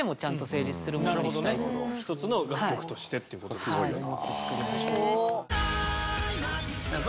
一つの楽曲としてっていうことですよね。